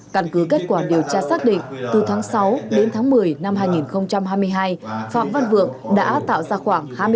cảnh cứ kết quả điều tra xác định từ tháng sáu đến tháng một mươi năm hai nghìn hai mươi hai phạm văn vượng đã tạo ra khoảng hai mươi phần